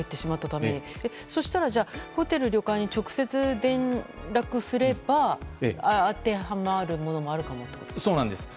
そうしたらホテル、旅館に直接連絡すれば当てはまるものはあるかもということですか。